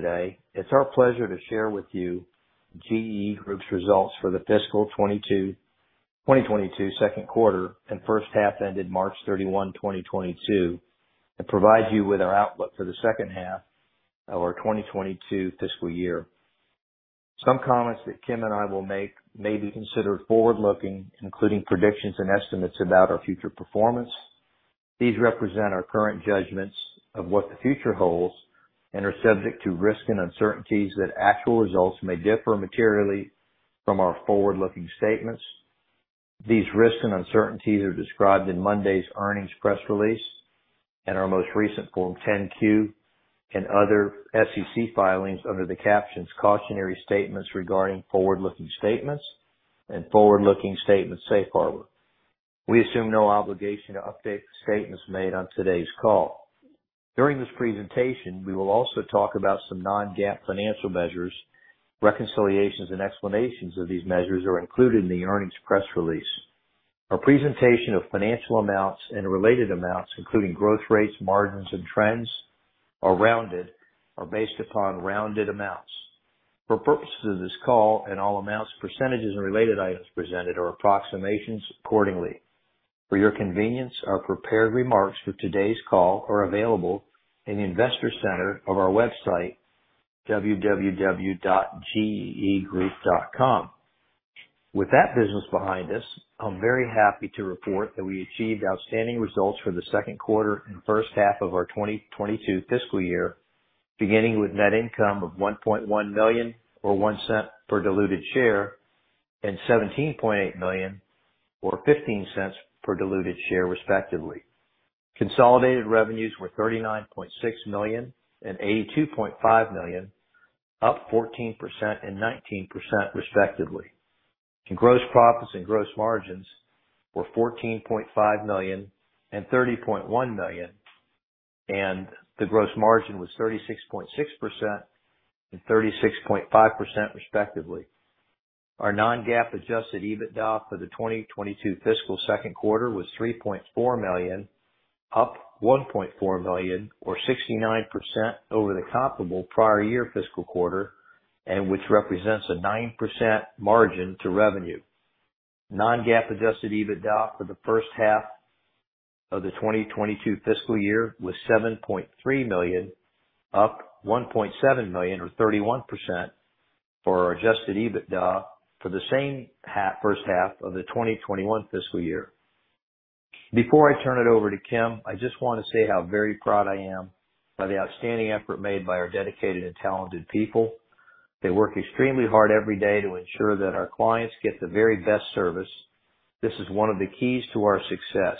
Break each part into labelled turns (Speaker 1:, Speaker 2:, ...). Speaker 1: Today, it's our pleasure to share with you GEE Group's results for the fiscal 2022 second quarter and first half ended March 31, 2022, and provide you with our outlook for the second half of our 2022 fiscal year. Some comments that Kim and I will make may be considered forward-looking, including predictions and estimates about our future performance. These represent our current judgments of what the future holds and are subject to risks and uncertainties that actual results may differ materially from our forward-looking statements. These risks and uncertainties are described in Monday's earnings press release and our most recent Form 10-Q and other SEC filings under the captions "Cautionary Statements Regarding Forward-Looking Statements" and "Forward-Looking Statements Safe Harbor." We assume no obligation to update the statements made on today's call. During this presentation, we will also talk about some non-GAAP financial measures. Reconciliations and explanations of these measures are included in the earnings press release. Our presentation of financial amounts and related amounts, including growth rates, margins, and trends, are rounded or based upon rounded amounts. For purposes of this call and all amounts, percentages, and related items presented are approximations accordingly. For your convenience, our prepared remarks for today's call are available in the investor center of our website, www.geegroup.com. With that business behind us, I'm very happy to report that we achieved outstanding results for the second quarter and first half of our 2022 fiscal year, beginning with net income of $1.1 million, or $0.01 per diluted share, and $17.8 million, or $0.15 per diluted share, respectively. Consolidated revenues were $39.6 million and $82.5 million, up 14% and 19%, respectively. Gross profits and gross margins were $14.5 million and $30.1 million, and the gross margin was 36.6% and 36.5%, respectively. Our non-GAAP adjusted EBITDA for the 2022 fiscal second quarter was $3.4 million, up $1.4 million, or 69% over the comparable prior year fiscal quarter, and which represents a 9% margin to revenue. Non-GAAP adjusted EBITDA for the first half of the 2022 fiscal year was $7.3 million, up $1.7 million, or 31% for our adjusted EBITDA for the same first half of the 2021 fiscal year. Before I turn it over to Kim, I just want to say how very proud I am by the outstanding effort made by our dedicated and talented people. They work extremely hard every day to ensure that our clients get the very best service. This is one of the keys to our success.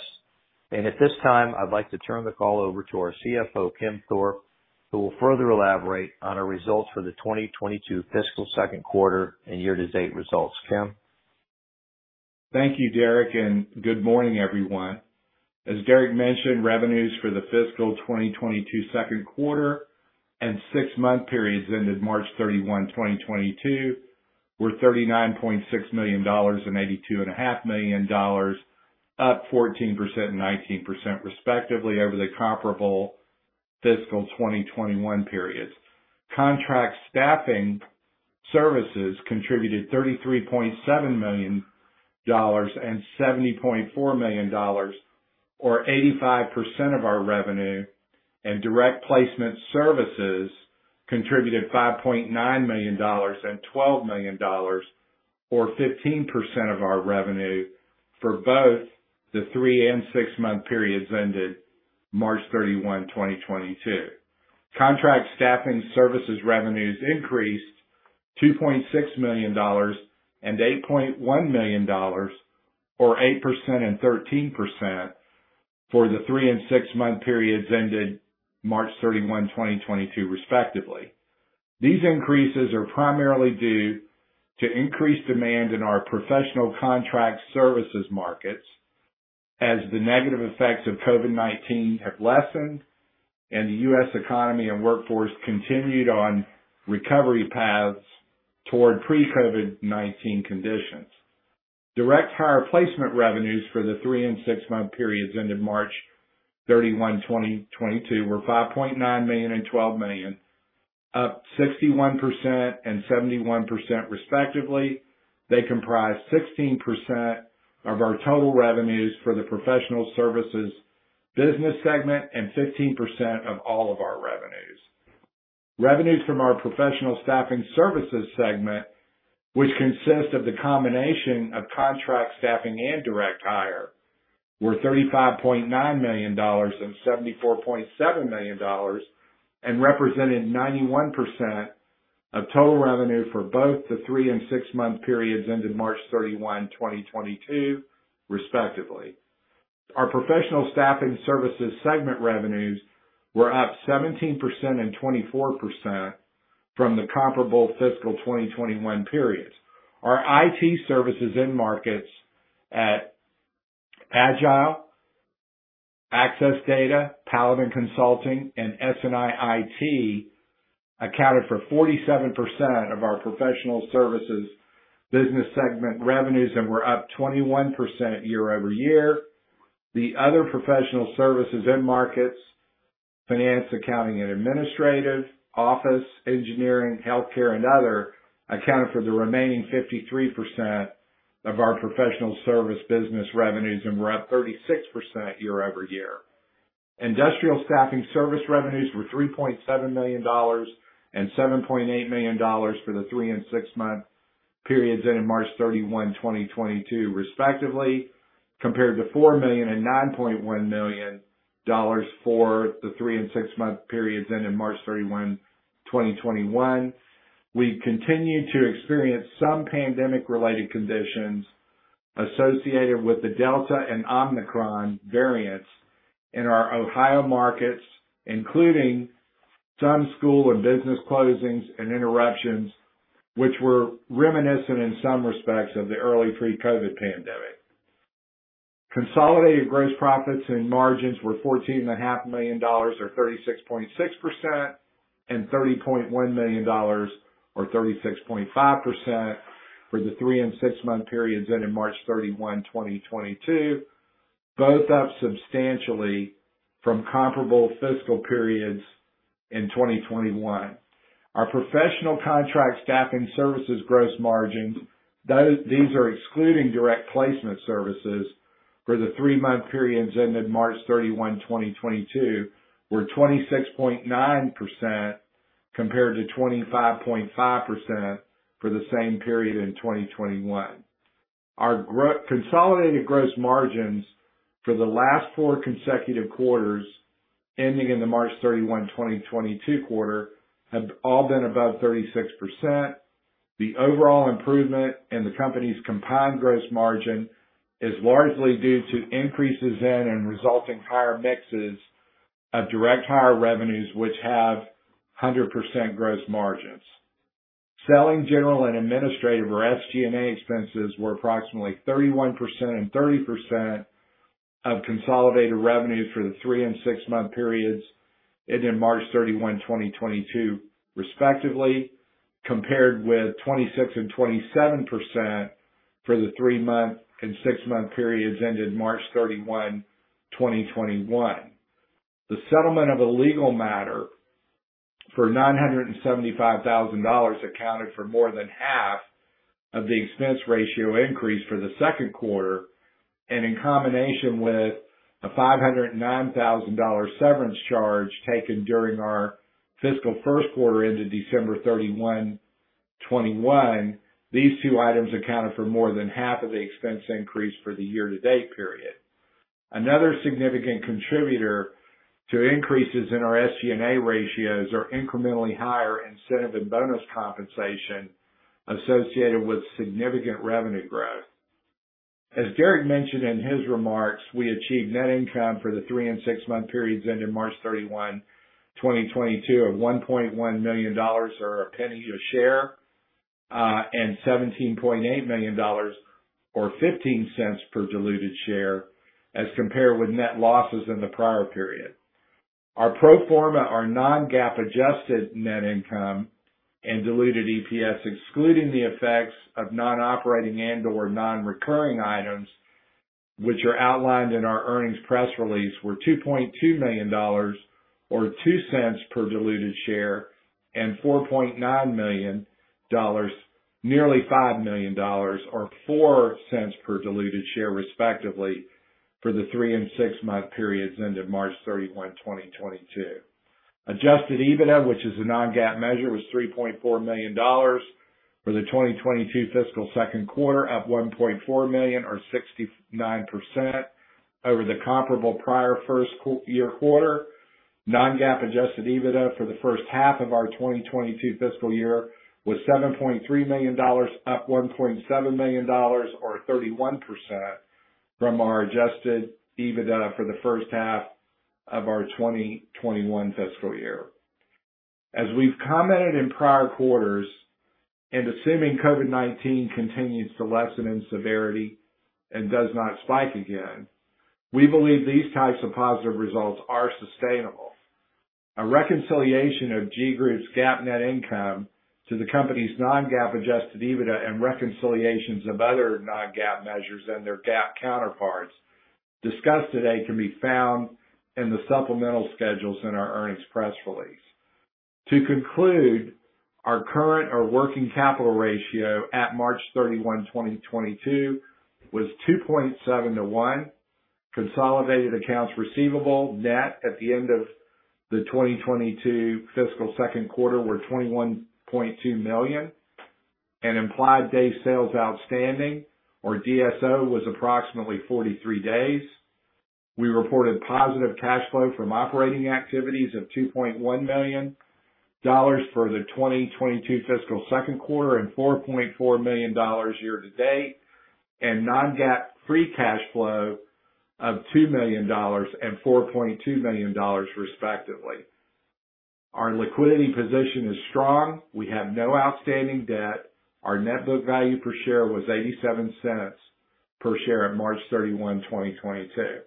Speaker 1: At this time, I'd like to turn the call over to our CFO, Kim Thorpe, who will further elaborate on our results for the 2022 fiscal second quarter and year-to-date results. Kim?
Speaker 2: Thank you, Derek, and good morning, everyone. As Derek mentioned, revenues for the fiscal 2022 second quarter and six-month periods ended March 31, 2022, were $39.6 million and $82.5 million, up 14% and 19% respectively over the comparable fiscal 2021 periods. Contract staffing services contributed $33.7 million and $70.4 million, or 85% of our revenue, and direct placement services contributed $5.9 million and $12 million, or 15% of our revenue for both the three- and six-month periods ended March 31, 2022. Contract staffing services revenues increased $2.6 million and $8.1 million, or 8% and 13% for the three- and six-month periods ended March 31, 2022, respectively. These increases are primarily due to increased demand in our professional contract services markets as the negative effects of COVID-19 have lessened and the U.S. economy and workforce continued on recovery paths toward pre-COVID-19 conditions. Direct hire placement revenues for the three- and six-month periods ended March 31, 2022, were $5.9 million and $12 million, up 61% and 71%, respectively. They comprise 16% of our total revenues for the professional services business segment, and 15% of all of our revenues. Revenues from our professional staffing services segment, which consist of the combination of contract staffing and direct hire, were $35.9 million and $74.7 million, and represented 91% of total revenue for both the three- and six-month periods ended March 31, 2022, respectively. Our professional staffing services segment revenues were up 17% and 24% from the comparable fiscal 2021 periods. Our IT services end markets at Agile, Access Data, Paladin Consulting, and SNI IT accounted for 47% of our professional services business segment revenues and were up 21% year-over-year. The other professional services end markets, finance, accounting, and administrative, office, engineering, healthcare, and other accounted for the remaining 53% of our professional service business revenues, and were up 36% year-over-year. Industrial staffing service revenues were $3.7 million and $7.8 million for the three and six month periods ending March 31, 2022 respectively, compared to $4 million and $9.1 million for the three and six month periods ending March 31, 2021. We continue to experience some pandemic-related conditions associated with the Delta and Omicron variants in our Ohio markets, including some school and business closings and interruptions, which were reminiscent in some respects of the early pre-COVID-19 pandemic. Consolidated gross profits and margins were $14.5 million, or 36.6%, and $30.1 million, or 36.5%, for the 3- and 6-month periods ending March 31, 2022, both up substantially from comparable fiscal periods in 2021. Our professional contract staffing services gross margins, these are excluding direct placement services for the three-month periods ending March 31, 2022, were 26.9% compared to 25.5% for the same period in 2021. Our consolidated gross margins for the last four consecutive quarters ending in the March 31, 2022 quarter have all been above 36%. The overall improvement in the company's combined gross margin is largely due to increases in and resulting higher mixes of direct hire revenues, which have 100% gross margins. Selling, general, and administrative, or SG&A expenses, were approximately 31% and 30% of consolidated revenues for the three- and six-month periods ending March 31, 2022, respectively, compared with 26% and 27% for the three month and six month periods ending March 31, 2021. The settlement of a legal matter for $975,000 accounted for more than half of the expense ratio increase for the second quarter. In combination with a $509,000 severance charge taken during our fiscal first quarter ended December 31, 2021, these two items accounted for more than half of the expense increase for the year to date period. Another significant contributor to increases in our SG&A ratios are incrementally higher incentive and bonus compensation associated with significant revenue growth. As Derek mentioned in his remarks, we achieved net income for the three and six-month periods ending March 31, 2022 of $1.1 million, or $0.01 per share, and $17.8 million, or $0.15 per diluted share, as compared with net losses in the prior period. Our pro forma or non-GAAP adjusted net income and diluted EPS, excluding the effects of non-operating and/or non-recurring items, which are outlined in our earnings press release, were $2.2 million, or $0.02 per diluted share, and $4.9 million, nearly $5 million or $0.04 per diluted share, respectively, for the three- and six-month periods ended March 31, 2022. Adjusted EBITDA, which is a non-GAAP measure, was $3.4 million for the 2022 fiscal second quarter, up $1.4 million or 69% over the comparable prior year quarter. Non-GAAP adjusted EBITDA for the first half of our 2022 fiscal year was $7.3 million, up $1.7 million or 31% from our adjusted EBITDA for the first half of our 2021 fiscal year. As we've commented in prior quarters, and assuming COVID-19 continues to lessen in severity and does not spike again, we believe these types of positive results are sustainable. A reconciliation of GEE Group's GAAP net income to the company's non-GAAP adjusted EBITDA and reconciliations of other non-GAAP measures and their GAAP counterparts discussed today can be found in the supplemental schedules in our earnings press release. To conclude, our current or working capital ratio at March 31, 2022 was two point seven to one. Consolidated accounts receivable net at the end of the 2022 fiscal second quarter were $21.2 million, and implied days sales outstanding, or DSO, was approximately 43 days. We reported positive cash flow from operating activities of $2.1 million for the 2022 fiscal second quarter and $4.4 million year to date, and non-GAAP free cash flow of $2 million and $4.2 million, respectively. Our liquidity position is strong. We have no outstanding debt. Our net book value per share was $0.87 at March 31, 2022.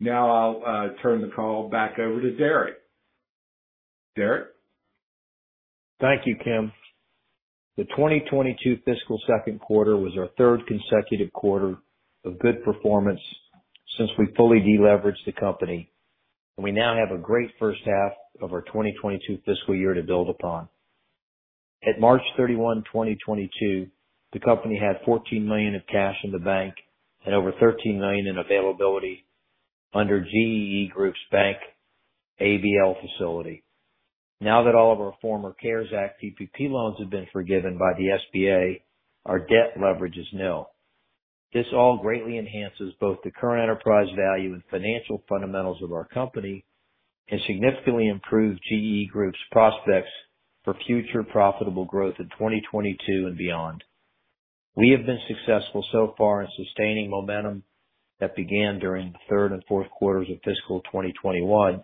Speaker 2: Now I'll turn the call back over to Derek. Derek?
Speaker 1: Thank you, Kim. The 2022 fiscal second quarter was our third consecutive quarter of good performance since we fully de-leveraged the company, and we now have a great first half of our 2022 fiscal year to build upon. At March 31, 2022, the company had $14 million of cash in the bank and over $13 million in availability under GEE Group's bank ABL facility. Now that all of our former CARES Act PPP loans have been forgiven by the SBA, our debt leverage is nil. This all greatly enhances both the current enterprise value and financial fundamentals of our company and significantly improved GEE Group's prospects for future profitable growth in 2022 and beyond. We have been successful so far in sustaining momentum that began during the third and fourth quarters of fiscal 2021,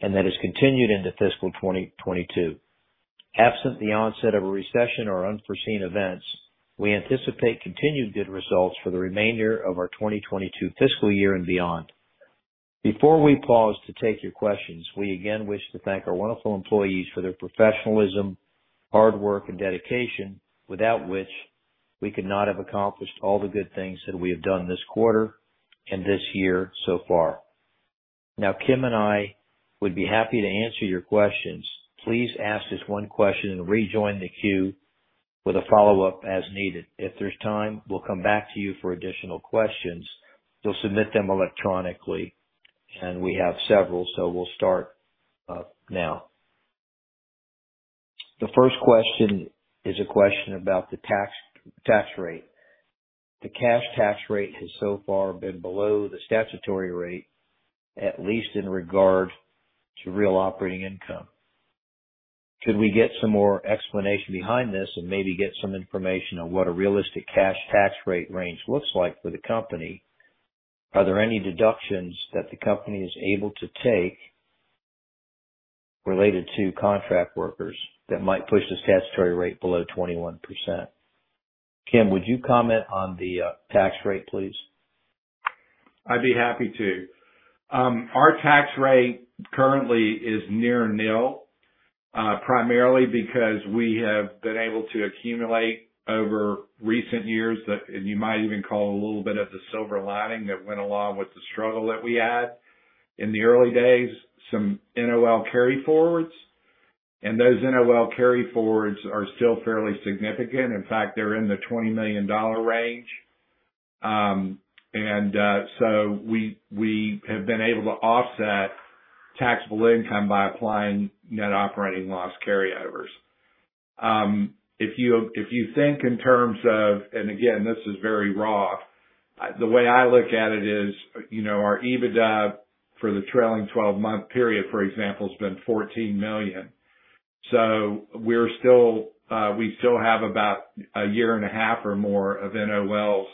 Speaker 1: and that has continued into fiscal 2022. Absent the onset of a recession or unforeseen events, we anticipate continued good results for the remainder of our 2022 fiscal year and beyond. Before we pause to take your questions, we again wish to thank our wonderful employees for their professionalism, hard work, and dedication, without which we could not have accomplished all the good things that we have done this quarter and this year so far. Now, Kim and I would be happy to answer your questions. Please ask us one question and rejoin the queue with a follow-up as needed. If there's time, we'll come back to you for additional questions. You'll submit them electronically. We have several, so we'll start now. The first question is a question about the tax rate. The cash tax rate has so far been below the statutory rate, at least in regard to real operating income. Could we get some more explanation behind this and maybe get some information on what a realistic cash tax rate range looks like for the company? Are there any deductions that the company is able to take related to contract workers that might push the statutory rate below 21%? Kim, would you comment on the tax rate, please?
Speaker 2: I'd be happy to. Our tax rate currently is near nil, primarily because we have been able to accumulate over recent years, and you might even call it a little bit of the silver lining that went along with the struggle that we had. In the early days, some NOL carryforwards, and those NOL carryforwards are still fairly significant. In fact, they're in the $20 million range. We have been able to offset taxable income by applying net operating loss carryovers. If you think in terms of, and again, this is very raw, the way I look at it is, you know, our EBITDA for the trailing-twelve-month period, for example, has been $14 million. We still have about a year and a half or more of NOLs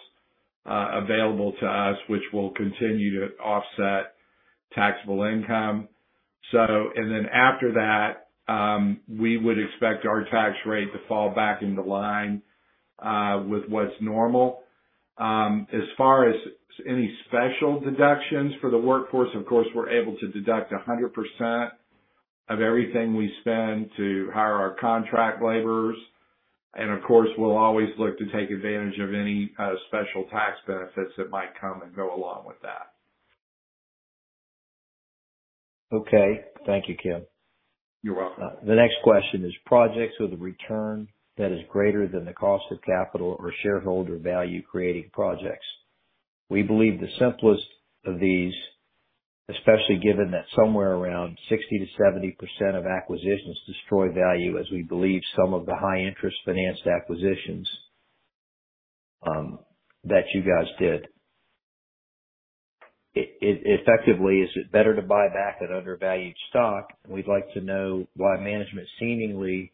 Speaker 2: available to us, which will continue to offset taxable income. Then after that, we would expect our tax rate to fall back into line with what's normal. As far as any special deductions for the workforce, of course, we're able to deduct 100% of everything we spend to hire our contract laborers. Of course, we'll always look to take advantage of any special tax benefits that might come and go along with that.
Speaker 1: Okay. Thank you, Kim.
Speaker 2: You're welcome.
Speaker 1: The next question is projects with a return that is greater than the cost of capital or shareholder value-creating projects. We believe the simplest of these, especially given that somewhere around 60%-70% of acquisitions destroy value as we believe some of the high-interest financed acquisitions that you guys did. Is it better to buy back an undervalued stock? We'd like to know why management seemingly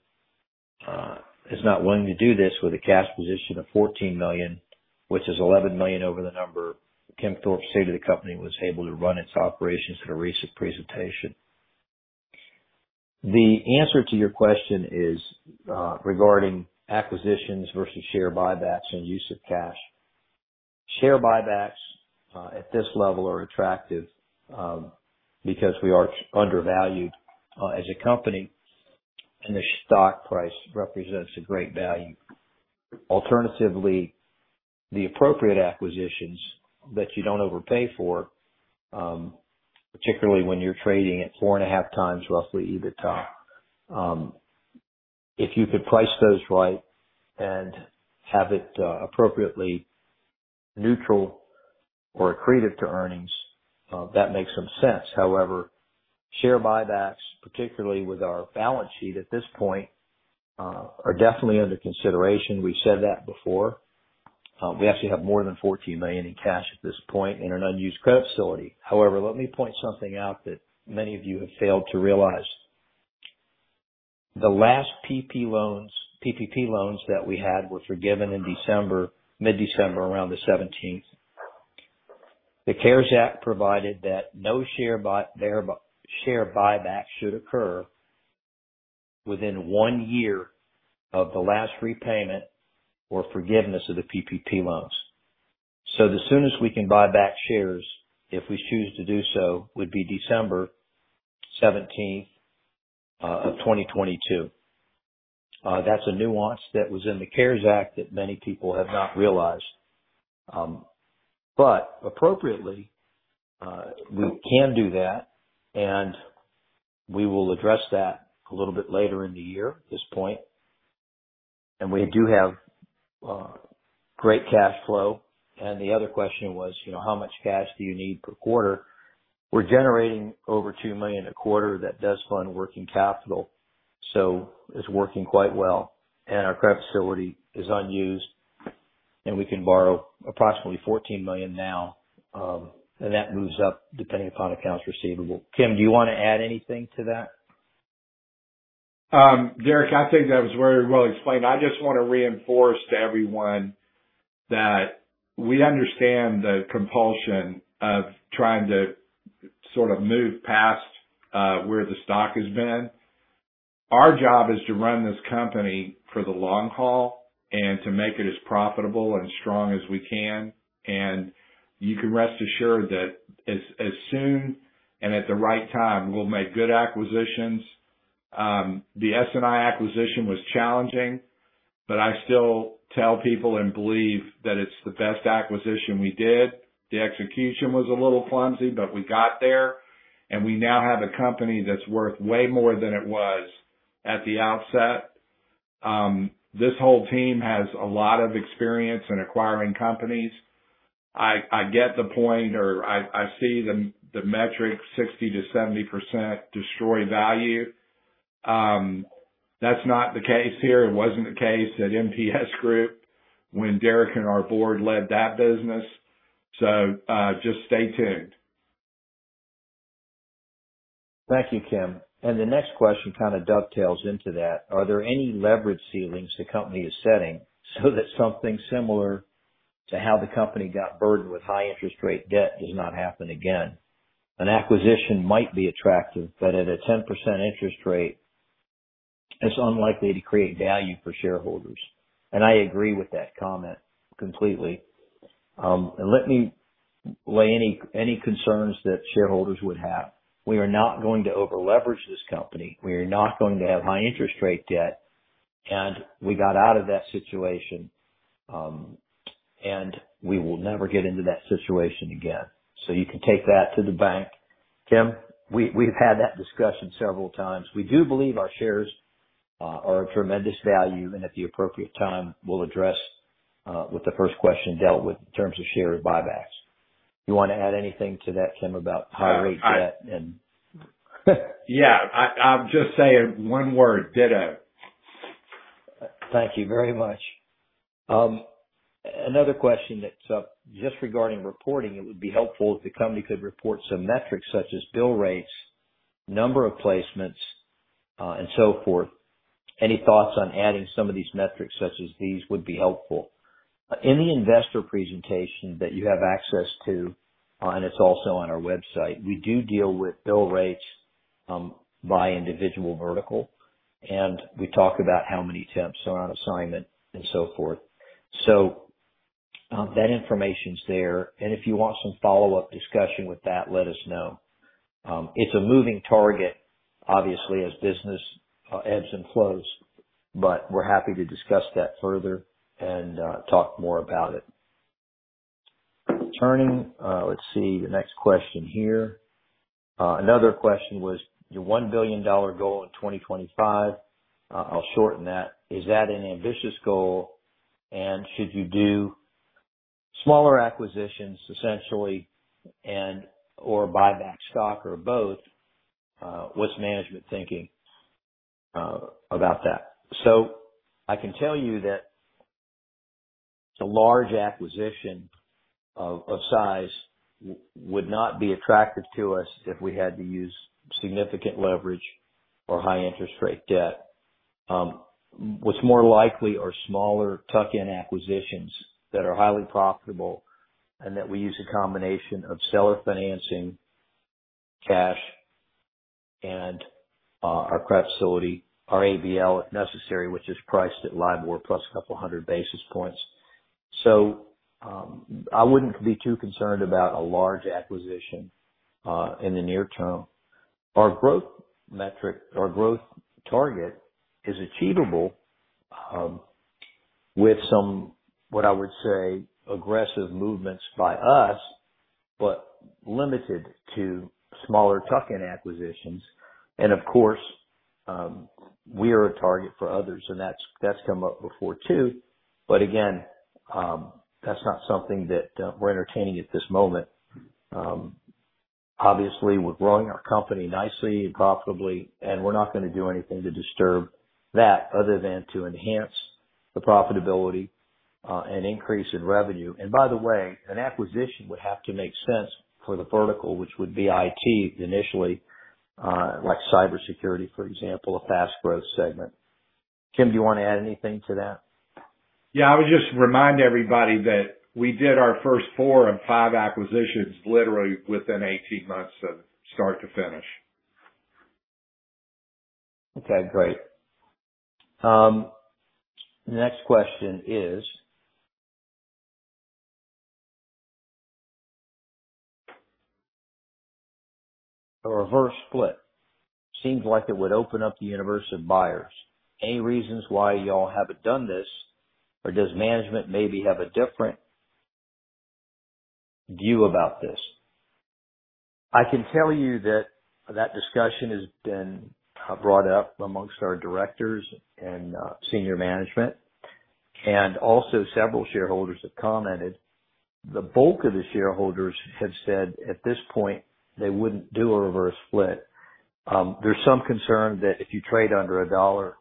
Speaker 1: is not willing to do this with a cash position of $14 million, which is $11 million over the number Kim Thorpe said the company was able to run its operations in a recent presentation. The answer to your question is regarding acquisitions versus share buybacks and use of cash. Share buybacks at this level are attractive because we are undervalued as a company, and the stock price represents a great value. Alternatively, the appropriate acquisitions that you don't overpay for, particularly when you're trading at 4.5 times roughly EBITDA, if you could price those right and have it, appropriately neutral or accretive to earnings, that makes some sense. However, share buybacks, particularly with our balance sheet at this point, are definitely under consideration. We've said that before. We actually have more than $14 million in cash at this point and an unused credit facility. However, let me point something out that many of you have failed to realize. The last PPP loans that we had were forgiven in December, mid-December, around the seventeenth. The CARES Act provided that no share buy. share buyback should occur within one year of the last repayment or forgiveness of the PPP loans. The soonest we can buy back shares, if we choose to do so, would be December seventeenth of 2022. That's a nuance that was in the CARES Act that many people have not realized. Appropriately, we can do that, and we will address that a little bit later in the year at this point. We do have great cash flow. The other question was, you know, how much cash do you need per quarter? We're generating over $2 million a quarter that does fund working capital, so it's working quite well. Our credit facility is unused, and we can borrow approximately $14 million now, and that moves up depending upon accounts receivable. Kim, do you wanna add anything to that?
Speaker 2: Derek, I think that was very well explained. I just wanna reinforce to everyone that we understand the compulsion of trying to sort of move past where the stock has been. Our job is to run this company for the long haul and to make it as profitable and strong as we can. You can rest assured that as soon and at the right time, we'll make good acquisitions. The SNI acquisition was challenging, but I still tell people and believe that it's the best acquisition we did. The execution was a little clumsy, but we got there. We now have a company that's worth way more than it was at the outset. This whole team has a lot of experience in acquiring companies. I get the point or I see the metrics 60%-70% destroy value. That's not the case here. It wasn't the case at MPS Group when Derek and our board led that business. Just stay tuned.
Speaker 1: Thank you, Kim. The next question kinda dovetails into that. Are there any leverage ceilings the company is setting so that something similar to how the company got burdened with high interest rate debt does not happen again? An acquisition might be attractive, but at a 10% interest rate, it's unlikely to create value for shareholders. I agree with that comment completely. Let me lay any concerns that shareholders would have. We are not going to over-leverage this company. We are not going to have high interest rate debt, and we got out of that situation, and we will never get into that situation again. You can take that to the bank. Kim, we've had that discussion several times. We do believe our shares are of tremendous value and at the appropriate time we'll address what the first question dealt with in terms of share repurchases. You wanna add anything to that, Kim, about high rate debt and...
Speaker 2: Yeah. I'm just saying one word: ditto.
Speaker 1: Thank you very much. Another question that's up, just regarding reporting, it would be helpful if the company could report some metrics such as bill rates, number of placements, and so forth. Any thoughts on adding some of these metrics such as these would be helpful. In the investor presentation that you have access to, and it's also on our website, we do deal with bill rates, by individual vertical, and we talk about how many temps are on assignment and so forth. That information's there, and if you want some follow-up discussion with that, let us know. It's a moving target, obviously, as business ebbs and flows, but we're happy to discuss that further and talk more about it. Turning, let's see. The next question here. Another question was your $1 billion goal in 2025. I'll shorten that. Is that an ambitious goal? Should you do smaller acquisitions, essentially, and/or buy back stock or both? What's management thinking about that? I can tell you that a large acquisition of size would not be attractive to us if we had to use significant leverage or high interest rate debt. What's more likely are smaller tuck-in acquisitions that are highly profitable and that we use a combination of seller financing, cash, and our credit facility, our ABL, if necessary, which is priced at LIBOR plus 200 basis points. I wouldn't be too concerned about a large acquisition in the near term. Our growth metric, our growth target is achievable, with some, what I would say, aggressive movements by us, but limited to smaller tuck-in acquisitions. Of course, we are a target for others, and that's come up before too. Again, that's not something that we're entertaining at this moment. Obviously we're growing our company nicely and profitably, and we're not gonna do anything to disturb that other than to enhance the profitability, and increase in revenue. By the way, an acquisition would have to make sense for the vertical, which would be IT initially, like cybersecurity, for example, a fast growth segment. Kim, do you wanna add anything to that?
Speaker 2: Yeah, I would just remind everybody that we did our first four and five acquisitions literally within 18 months of start to finish.
Speaker 1: Okay, great. Next question is a reverse split. Seems like it would open up the universe of buyers. Any reasons why y'all haven't done this? Or does management maybe have a different view about this? I can tell you that discussion has been brought up among our directors and senior management, and also several shareholders have commented. The bulk of the shareholders have said at this point, they wouldn't do a reverse split. There's some concern that if you trade under a dollar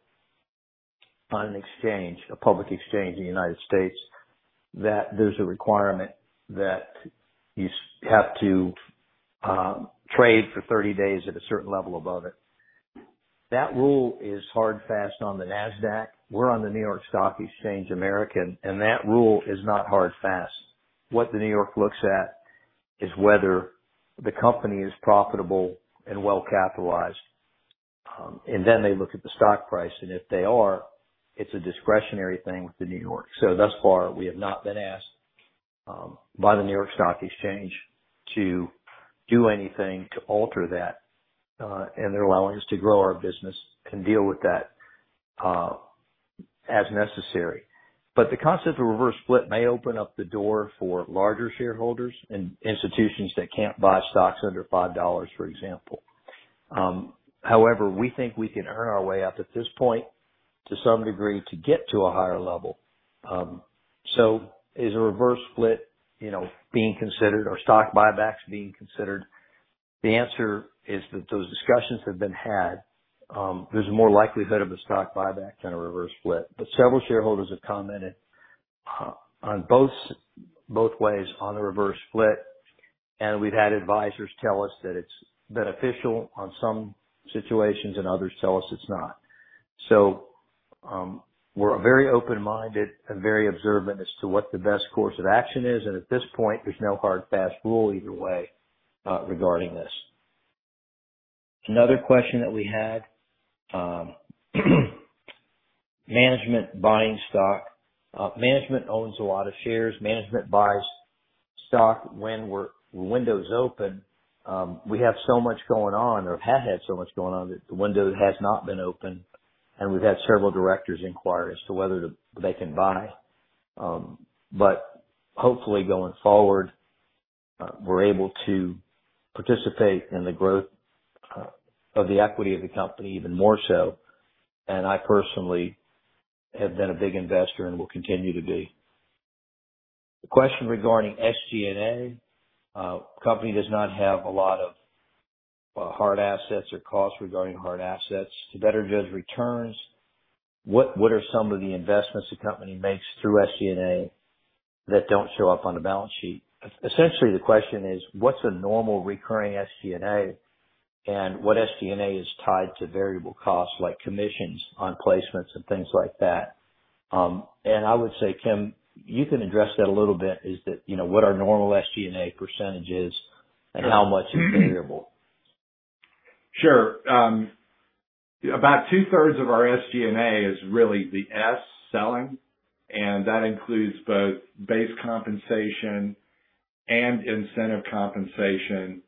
Speaker 1: on an exchange, a public exchange in the United States, that there's a requirement that you have to trade for 30 days at a certain level above it. That rule is hard-and-fast on the Nasdaq. We're on the NYSE American, and that rule is not hard-and-fast. What the New York looks at is whether the company is profitable and well-capitalized, and then they look at the stock price, and if they are, it's a discretionary thing with the New York. Thus far, we have not been asked by the New York Stock Exchange to do anything to alter that, and they're allowing us to grow our business and deal with that as necessary. The concept of a reverse split may open up the door for larger shareholders and institutions that can't buy stocks under $5, for example. However, we think we can earn our way up at this point to some degree to get to a higher level. Is a reverse split, you know, being considered or stock buybacks being considered? The answer is that those discussions have been had. There's a more likelihood of a stock buyback than a reverse split. Several shareholders have commented, on both ways on the reverse split, and we've had advisors tell us that it's beneficial in some situations and others tell us it's not. We're very open-minded and very observant as to what the best course of action is, and at this point, there's no hard, fast rule either way, regarding this. Another question that we had, management buying stock. Management owns a lot of shares. Management buys stock when windows open. We have so much going on or have had so much going on that the window has not been open, and we've had several directors inquire as to whether they can buy. Hopefully, going forward, we're able to participate in the growth of the equity of the company even more so, and I personally have been a big investor and will continue to be. The question regarding SG&A. Company does not have a lot of hard assets or costs regarding hard assets. To better judge returns, what are some of the investments the company makes through SG&A that don't show up on the balance sheet? Essentially, the question is, what's a normal recurring SG&A, and what SG&A is tied to variable costs like commissions on placements and things like that? I would say, Kim, you can address that a little bit, is that, you know, what our normal SG&A percentage is and how much is variable.
Speaker 2: Sure. About two-thirds of our SG&A is really the S, selling, and that includes both base compensation and incentive compensation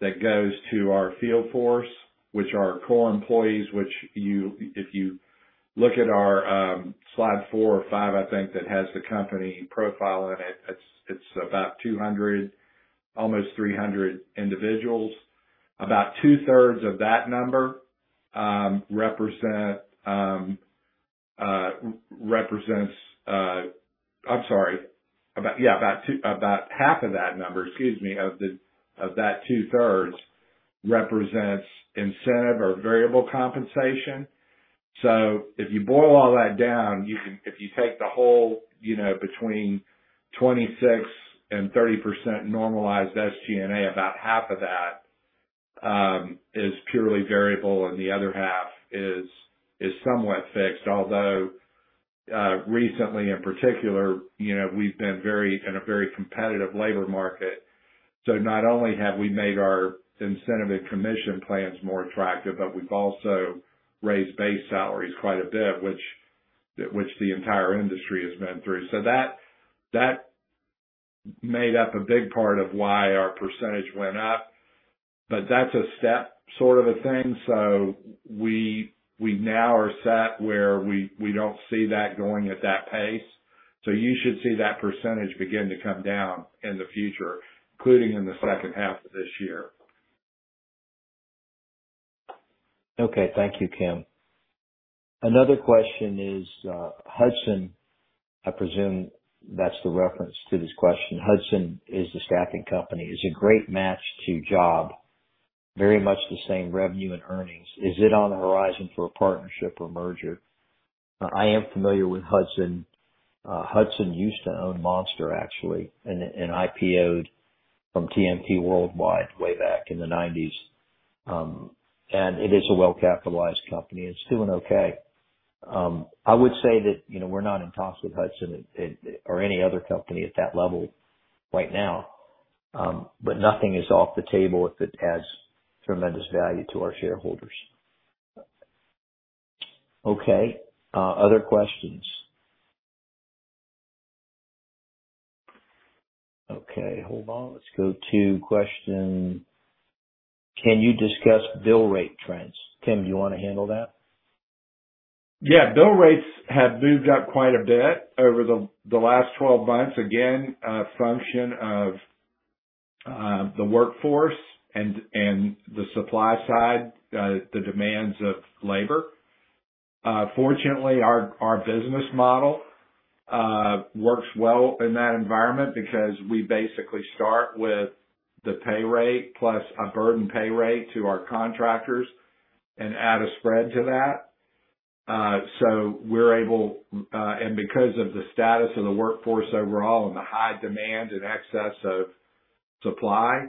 Speaker 2: that goes to our field force, which are core employees, if you look at our slide four or five, I think, that has the company profile in it. It's about 200, almost 300 individuals. About two-thirds of that number represents about half of that number of that two-thirds represents incentive or variable compensation. If you boil all that down, you can if you take the whole, you know, between 26% and 30% normalized SG&A, about half of that is purely variable and the other half is somewhat fixed. Although recently, in particular, you know, we've been in a very competitive labor market. Not only have we made our incentive and commission plans more attractive, but we've also raised base salaries quite a bit, which the entire industry has been through. That made up a big part of why our percentage went up. That's a step sort of a thing. We now are sat where we don't see that going at that pace. You should see that percentage begin to come down in the future, including in the second half of this year.
Speaker 1: Okay. Thank you, Kim. Another question is, Hudson, I presume that's the reference to this question. Hudson is a staffing company. It's a great match to GEE, very much the same revenue and earnings. Is it on the horizon for a partnership or merger? I am familiar with Hudson. Hudson used to own Monster, actually, and IPO'd from TMP Worldwide way back in the nineties. It is a well-capitalized company. It's doing okay. I would say that, you know, we're not in talks with Hudson or any other company at that level right now, but nothing is off the table if it adds tremendous value to our shareholders. Okay, other questions. Okay, hold on. Let's go to question. Can you discuss bill rate trends? Kim, do you wanna handle that?
Speaker 2: Yeah. Bill rates have moved up quite a bit over the last 12 months. Again, a function of the workforce and the supply side, the demands of labor. Fortunately, our business model works well in that environment because we basically start with the pay rate plus a burden pay rate to our contractors and add a spread to that. We're able, and because of the status of the workforce overall and the high demand in excess of supply,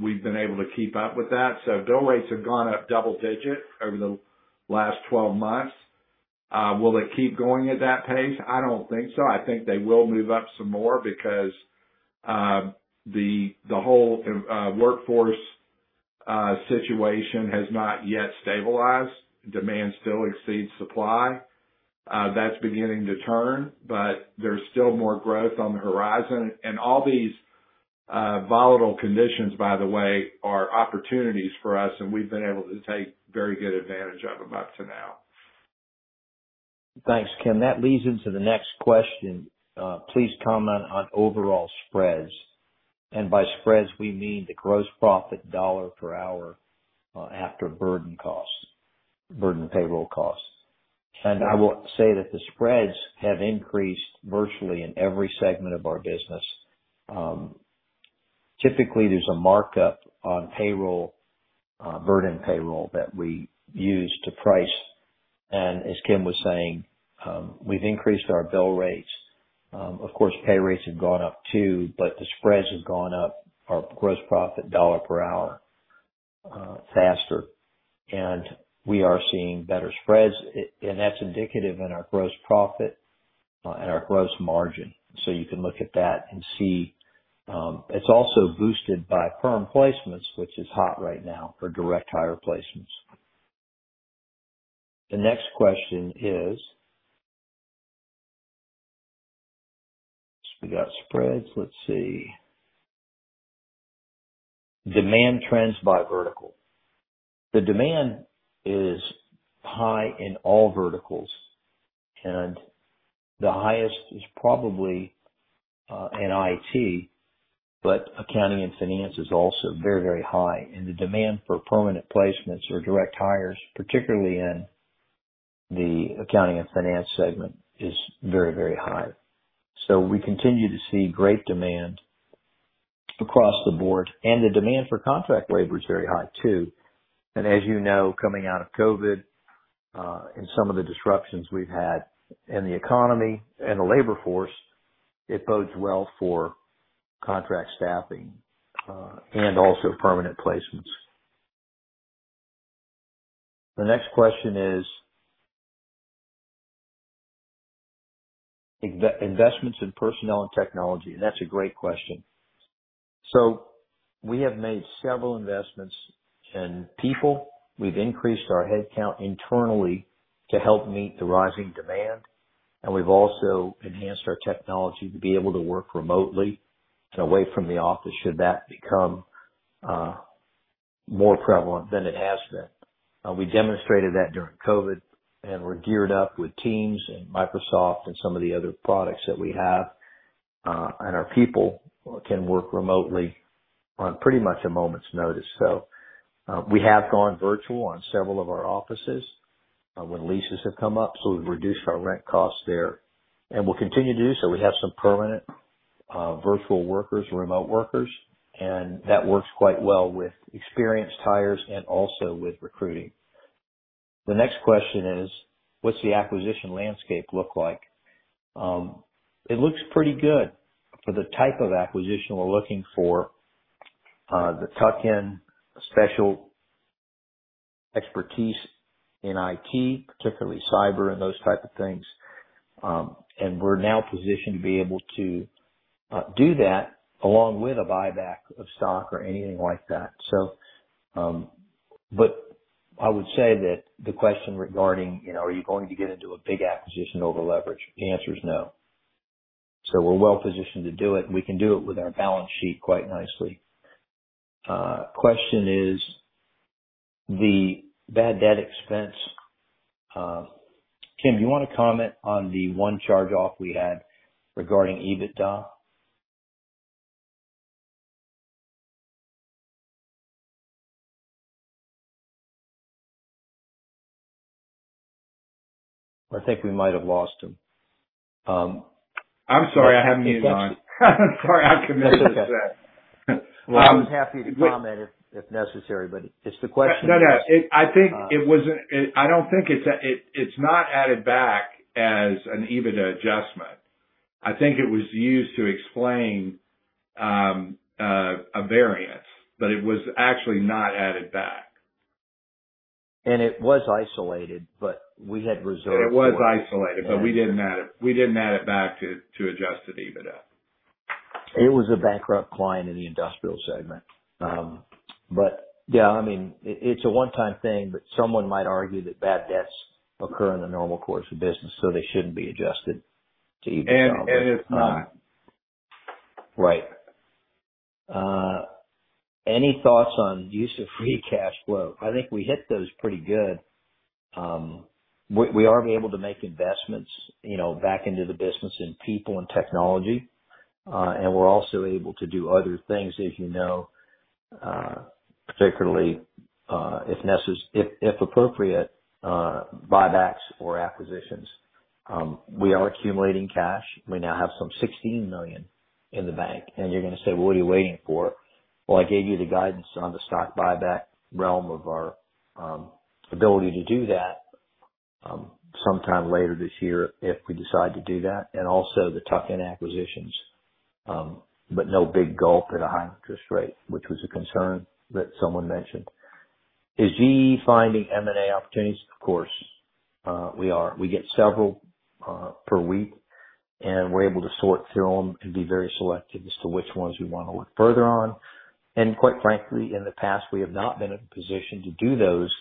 Speaker 2: we've been able to keep up with that. Bill rates have gone up double digit over the last 12 months. Will it keep going at that pace? I don't think so. I think they will move up some more because the whole workforce situation has not yet stabilized. Demand still exceeds supply. That's beginning to turn, but there's still more growth on the horizon. All these volatile conditions, by the way, are opportunities for us, and we've been able to take very good advantage of them up to now.
Speaker 1: Thanks, Kim. That leads into the next question. Please comment on overall spreads. By spreads, we mean the gross profit dollar per hour, after burden costs, burden payroll costs. I will say that the spreads have increased virtually in every segment of our business. Typically, there's a markup on payroll, burden payroll that we use to price. As Kim was saying, we've increased our bill rates. Of course, pay rates have gone up too, but the spreads have gone up our gross profit dollar per hour, faster. We are seeing better spreads, and that's indicative in our gross profit, and our gross margin. You can look at that and see. It's also boosted by firm placements, which is hot right now for direct hire placements. The next question is. So we got spreads, let's see. Demand trends by vertical. The demand is high in all verticals, and the highest is probably in IT, but accounting and finance is also very, very high. The demand for permanent placements or direct hires, particularly in the accounting and finance segment, is very, very high. We continue to see great demand across the board, and the demand for contract labor is very high too. As you know, coming out of COVID and some of the disruptions we've had in the economy and the labor force, it bodes well for contract staffing and also permanent placements. The next question is Investments in personnel and technology, and that's a great question. We have made several investments in people. We've increased our headcount internally to help meet the rising demand, and we've also enhanced our technology to be able to work remotely and away from the office should that become more prevalent than it has been. We demonstrated that during COVID, and we're geared up with Teams and Microsoft and some of the other products that we have, and our people can work remotely on pretty much a moment's notice. We have gone virtual on several of our offices when leases have come up, so we've reduced our rent costs there. We'll continue to do so. We have some permanent virtual workers, remote workers, and that works quite well with experienced hires and also with recruiting. The next question is: What's the acquisition landscape look like? It looks pretty good for the type of acquisition we're looking for, the tuck-in special expertise in IT, particularly cyber and those type of things. We're now positioned to be able to do that along with a buyback of stock or anything like that. I would say that the question regarding, you know, are you going to get into a big acquisition over leverage? The answer is no. We're well positioned to do it, and we can do it with our balance sheet quite nicely. Question is the bad debt expense. Kim Thorpe, do you wanna comment on the one charge-off we had regarding EBITDA? Or I think we might have lost him.
Speaker 2: I'm sorry. I haven't muted on. Sorry, I'm committed to that.
Speaker 1: Well, I'm happy to comment if necessary, but it's the question.
Speaker 2: No, no. It's not added back as an EBITDA adjustment. I think it was used to explain a variance, but it was actually not added back.
Speaker 1: It was isolated, but we had reserved for it.
Speaker 2: It was isolated, but we didn't add it back to adjusted EBITDA.
Speaker 1: It was a bankrupt client in the industrial segment. Yeah, I mean, it's a one-time thing, but someone might argue that bad debts occur in the normal course of business, so they shouldn't be adjusted to EBITDA.
Speaker 2: It's not.
Speaker 1: Right. Any thoughts on use of free cash flow? I think we hit those pretty good. We are able to make investments, you know, back into the business in people and technology. We're also able to do other things, as you know, particularly, if appropriate, buybacks or acquisitions. We are accumulating cash. We now have some $16 million in the bank, and you're gonna say, "Well, what are you waiting for?" Well, I gave you the guidance on the stock buyback realm of our ability to do that, sometime later this year if we decide to do that, and also the tuck-in acquisitions, but no big gulp at a high interest rate, which was a concern that someone mentioned. Is GEE finding M&A opportunities? Of course. We get several per week, and we're able to sort through them and be very selective as to which ones we wanna work further on. Quite frankly, in the past, we have not been in a position to do those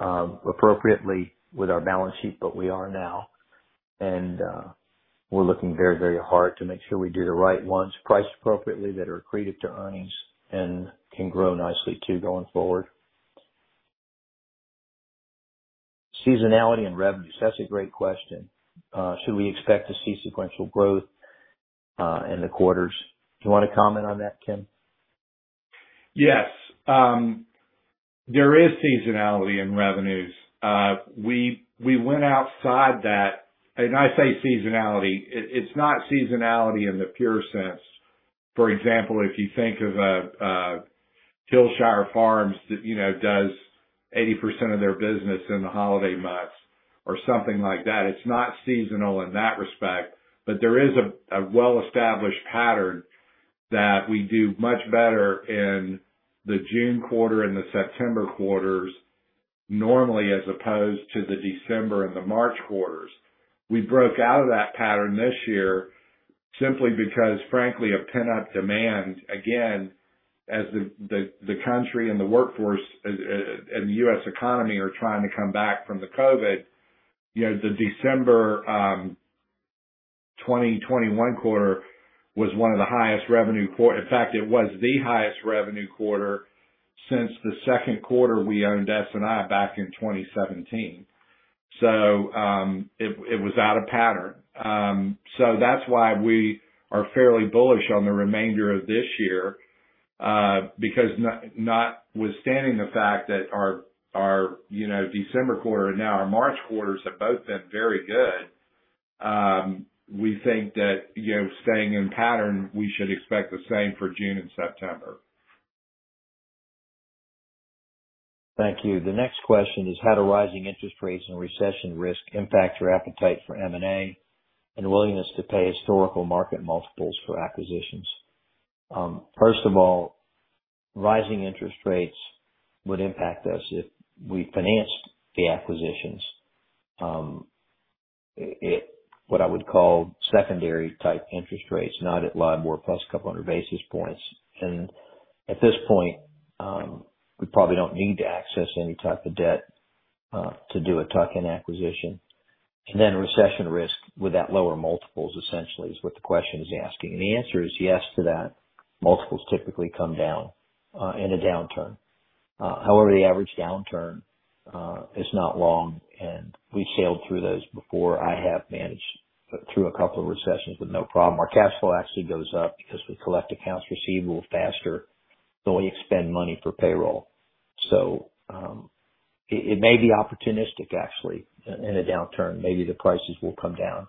Speaker 1: appropriately with our balance sheet, but we are now. We're looking very, very hard to make sure we do the right ones priced appropriately that are accretive to earnings and can grow nicely too going forward. Seasonality and revenues. That's a great question. Should we expect to see sequential growth in the quarters? Do you wanna comment on that, Kim?
Speaker 2: Yes. There is seasonality in revenues. We went outside that. I say seasonality, it's not seasonality in the pure sense. For example, if you think of Hillshire Farm that you know does 80% of their business in the holiday months or something like that, it's not seasonal in that respect. But there is a well-established pattern that we do much better in the June quarter and the September quarters normally, as opposed to the December and the March quarters. We broke out of that pattern this year simply because, frankly, of pent-up demand, again, as the country and the workforce and the U.S. economy are trying to come back from the COVID. You know, the December 2021 quarter was one of the highest revenue quarter—in fact, it was the highest revenue quarter since the second quarter we owned SNI back in 2017. It was out of pattern. That's why we are fairly bullish on the remainder of this year, because notwithstanding the fact that our December quarter and now our March quarters have both been very good, we think that, you know, staying in pattern, we should expect the same for June and September.
Speaker 1: Thank you. The next question is how do rising interest rates and recession risk impact your appetite for M&A and willingness to pay historical market multiples for acquisitions? First of all, rising interest rates would impact us if we financed the acquisitions at what I would call secondary type interest rates, not at LIBOR plus a couple hundred basis points. At this point, we probably don't need to access any type of debt to do a tuck-in acquisition. Then recession risk would that lower multiples essentially is what the question is asking. The answer is yes to that. Multiples typically come down in a downturn. However, the average downturn is not long, and we've sailed through those before. I have managed through a couple of recessions with no problem. Our cash flow actually goes up because we collect accounts receivable faster than we expend money for payroll. It may be opportunistic actually in a downturn. Maybe the prices will come down,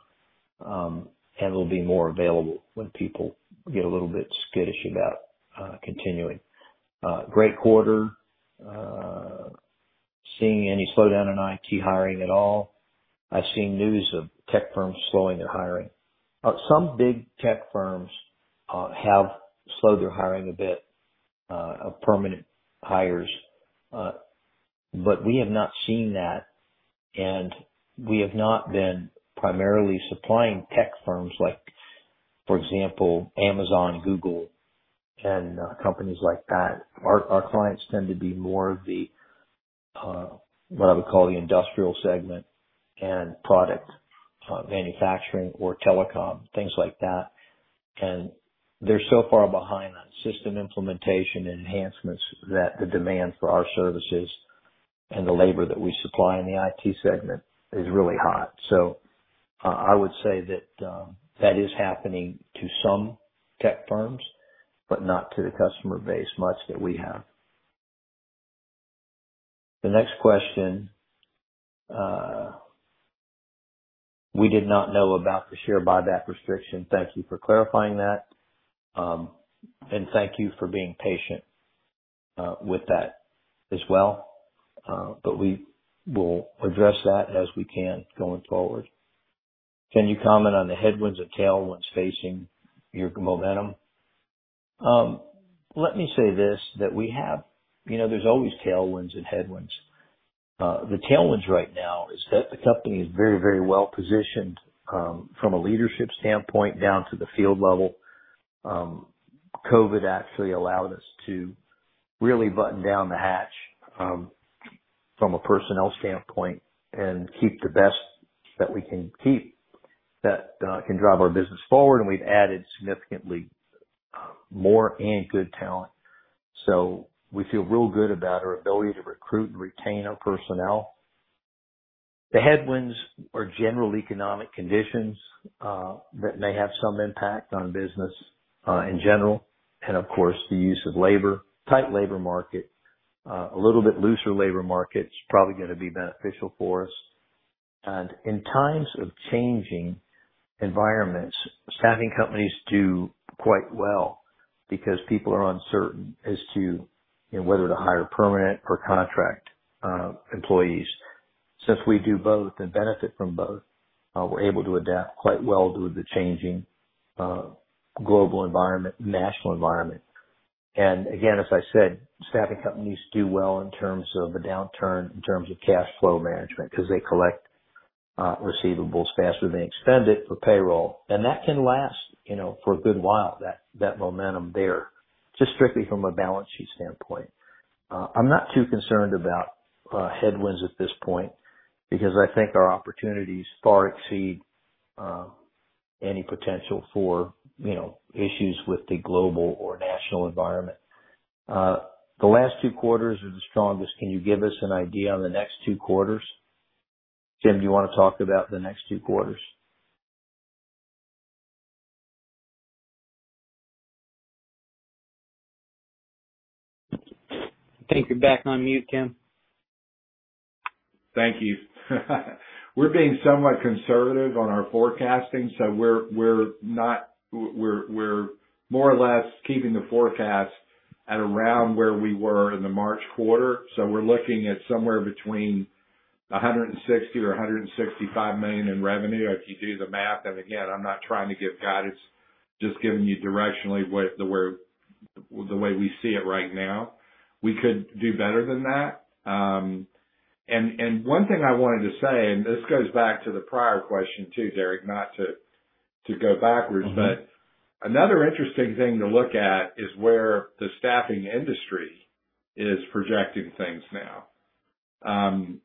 Speaker 1: and we'll be more available when people get a little bit skittish about continuing. Great quarter. Seeing any slowdown in IT hiring at all? I've seen news of tech firms slowing their hiring. Some big tech firms have slowed their hiring a bit of permanent hires, but we have not seen that, and we have not been primarily supplying tech firms like, for example, Amazon, Google, and companies like that. Our clients tend to be more of the what I would call the industrial segment and product manufacturing or telecom, things like that. They're so far behind on system implementation and enhancements that the demand for our services and the labor that we supply in the IT segment is really hot. I would say that that is happening to some tech firms, but not to the customer base much that we have. The next question, we did not know about the share buyback restriction. Thank you for clarifying that, and thank you for being patient. With that as well. We will address that as we can going forward. Can you comment on the headwinds or tailwinds facing your momentum? Let me say this, that we have. You know, there's always tailwinds and headwinds. The tailwinds right now is that the company is very, very well positioned, from a leadership standpoint down to the field level. COVID actually allowed us to really button down the hatch, from a personnel standpoint and keep the best that we can keep that can drive our business forward. We've added significantly more and good talent. We feel real good about our ability to recruit and retain our personnel. The headwinds are general economic conditions that may have some impact on business in general. Of course, the use of labor, tight labor market. A little bit looser labor market's probably gonna be beneficial for us. In times of changing environments, staffing companies do quite well because people are uncertain as to, you know, whether to hire permanent or contract employees. Since we do both and benefit from both, we're able to adapt quite well to the changing global environment, national environment. Again, as I said, staffing companies do well in terms of a downturn, in terms of cash flow management, because they collect receivables faster than they expend it for payroll. That can last, you know, for a good while, that momentum there, just strictly from a balance sheet standpoint. I'm not too concerned about headwinds at this point because I think our opportunities far exceed any potential for, you know, issues with the global or national environment. The last two quarters were the strongest. Can you give us an idea on the next two quarters? Kim Thorpe, do you wanna talk about the next two quarters? I think you're back on mute, Kim Thorpe.
Speaker 2: Thank you. We're being somewhat conservative on our forecasting, so we're more or less keeping the forecast at around where we were in the March quarter. We're looking at somewhere between $160 or $165 million in revenue. If you do the math, and again, I'm not trying to give guidance, just giving you directionally what the way we see it right now. We could do better than that. One thing I wanted to say, and this goes back to the prior question, too, Derek, not to go backwards.
Speaker 1: Mm-hmm.
Speaker 2: Another interesting thing to look at is where the staffing industry is projecting things now.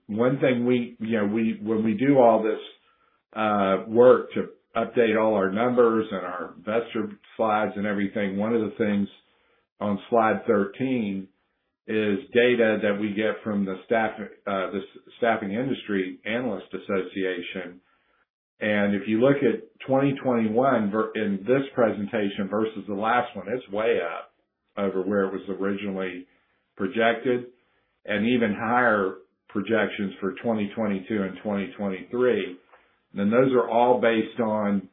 Speaker 2: One thing we, you know, when we do all this work to update all our numbers and our investor slides and everything, one of the things on slide 13 is data that we get from the Staffing Industry Analysts. If you look at 2021 in this presentation versus the last one, it's way up over where it was originally projected, and even higher projections for 2022 and 2023. Those are all based on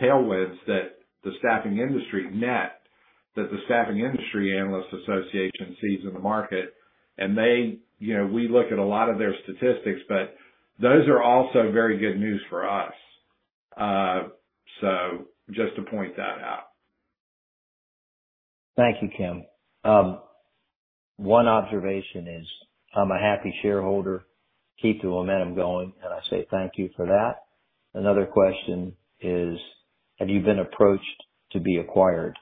Speaker 2: tailwinds that the staffing industry, that the Staffing Industry Analysts sees in the market. They, you know, we look at a lot of their statistics, but those are also very good news for us. Just to point that out.
Speaker 1: Thank you, Kim. One observation is, I'm a happy shareholder. Keep the momentum going, and I say thank you for that. Another question is, have you been approached to be acquired?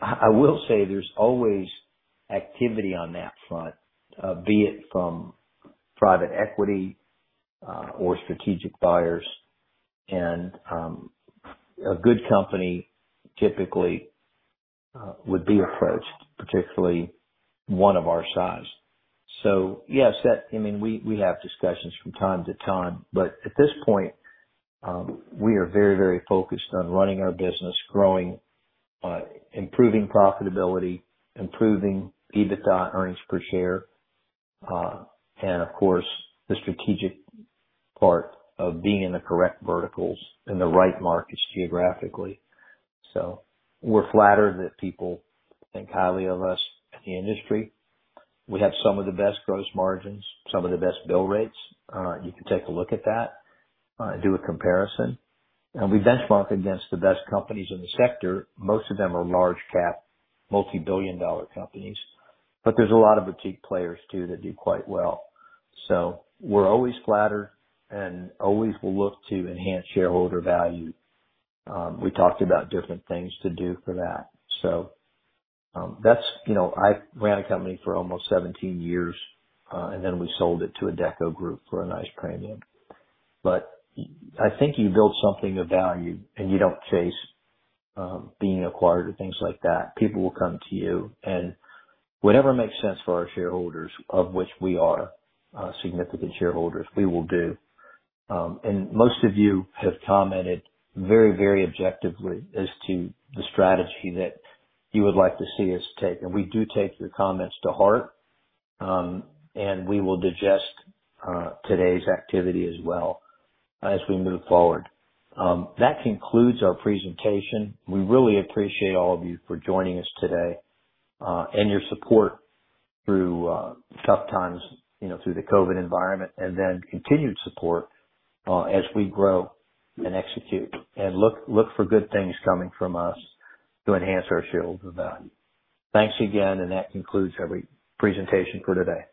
Speaker 1: I will say there's always activity on that front, be it from private equity, or strategic buyers. A good company typically would be approached, particularly one of our size. Yes, I mean, we have discussions from time to time, but at this point, we are very, very focused on running our business, growing, improving profitability, improving EBITDA earnings per share, and of course, the strategic part of being in the correct verticals in the right markets geographically. We're flattered that people think highly of us in the industry. We have some of the best gross margins, some of the best bill rates. You can take a look at that, do a comparison. We benchmark against the best companies in the sector. Most of them are large cap, multi-billion dollar companies, but there's a lot of boutique players too that do quite well. We're always flattered and always will look to enhance shareholder value. We talked about different things to do for that. That's, you know, I ran a company for almost 17 years, and then we sold it to Adecco Group for a nice premium. I think you build something of value and you don't chase being acquired or things like that. People will come to you. Whatever makes sense for our shareholders, of which we are significant shareholders, we will do. Most of you have commented very objectively as to the strategy that you would like to see us take. We do take your comments to heart, and we will digest today's activity as well as we move forward. That concludes our presentation. We really appreciate all of you for joining us today, and your support through tough times, you know, through the COVID environment, and then continued support as we grow and execute. Look for good things coming from us to enhance our shareholder value. Thanks again, and that concludes our presentation for today.